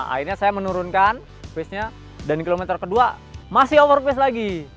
akhirnya saya menurunkan pace nya dan kilometer kedua masih over pace lagi